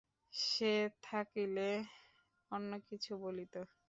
সে থাকিলে অন্য কিছু বলিত।